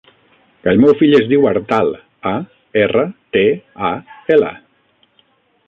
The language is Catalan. El meu fill es diu Artal: a, erra, te, a, ela.